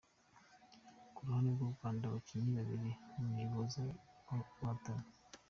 Ku ruhande rw’u Rwanda, abakinnyi babiri ni boza guhatana.